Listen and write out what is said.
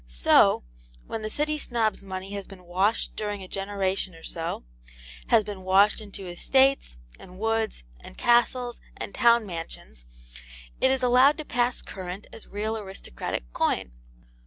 So, when the City Snob's money has been washed during a generation or so; has been washed into estates, and woods, and castles, and town mansions, it is allowed to pass current as real aristocratic coin.